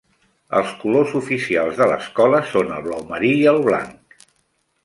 Els colors oficials de l'escola són el blau marí i el blanc.